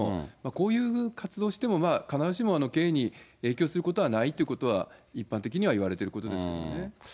こういう活動をしても、必ずしも刑に影響することはないってことは、一般的にはいわれてることですよね。